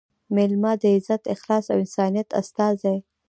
مېلمه – د عزت، اخلاص او انسانیت استازی